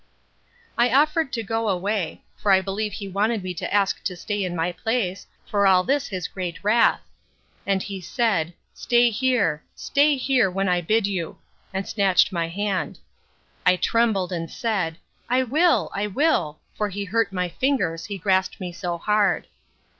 I offered to go away; for I believe he wanted me to ask to stay in my place, for all this his great wrath: and he said, Stay here! Stay here, when I bid you! and snatched my hand. I trembled, and said, I will! I will! for he hurt my fingers, he grasped me so hard.